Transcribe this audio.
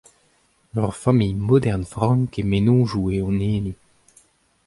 Ur familh modern frank he mennozhioù eo hon hini.